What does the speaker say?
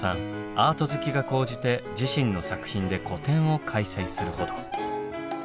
アート好きが高じて自身の作品で個展を開催するほど。